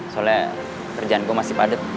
soalnya kerjaan gue masih padat